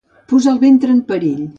Posar el ventre en perill.